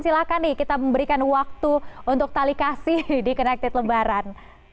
silahkan nih kita memberikan waktu untuk tali kasih di connected lebaran